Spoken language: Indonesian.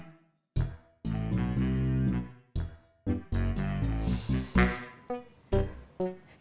gak usah nanya